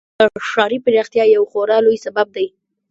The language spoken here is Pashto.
مزارشریف د افغانستان د ښاري پراختیا یو خورا لوی سبب دی.